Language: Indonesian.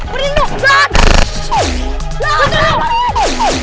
orang upstream yang menuju declared